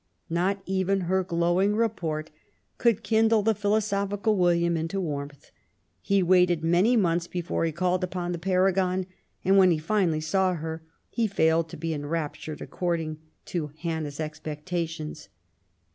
Not even her glowing report could kindle the philo sophical William into warmth. He waited many months before he called upon the paragon, and when he finally saw her he failed to be enraptured according to HannaVs expectations.